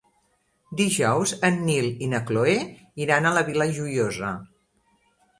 Dijous en Nil i na Cloè iran a la Vila Joiosa.